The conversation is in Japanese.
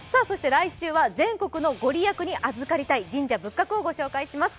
来週は全国の御利益に預かりたい神社仏閣にお邪魔します。